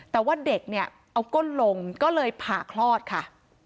แต่ว่าเด็กเนี่ยเอาก้นลงก็เลยผ่าคลอดค่ะ